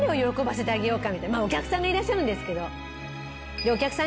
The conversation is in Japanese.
まあお客さんがいらっしゃるんですけど。